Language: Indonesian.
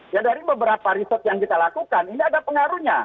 ya dari beberapa riset yang kita lakukan ini ada pengaruhnya